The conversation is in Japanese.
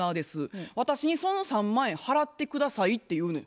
私にその３万円払って下さい」って言うねん。